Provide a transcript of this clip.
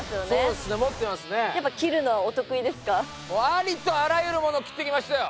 ありとあらゆるものを切ってきましたよ。